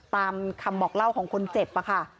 ตามคำบอกเล่าของคนเจ็บค่ะ